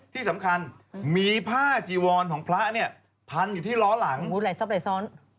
ที่สำคัญมีผ้าจีวรของพระเนี่ยพันอยู่ที่ล้อหลังไหลซับไหลซ้อน